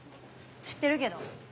知ってるけど。